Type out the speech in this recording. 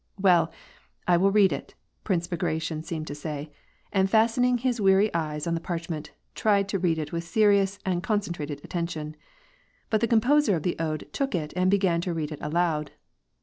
" Well, I w411 read it/' Prince Bagration seemed to say, and fastening his weary eyes on the parchment, tried to read it with serious and con centrated attention. But the composer of the ode took it and began to read it aloud.